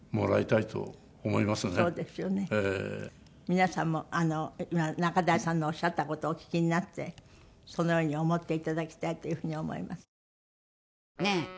皆さんも今仲代さんのおっしゃった事をお聞きになってそのように思っていただきたいという風に思います。